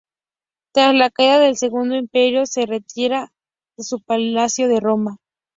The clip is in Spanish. Tras la caída del Segundo Imperio, se retira a su palacio de Roma.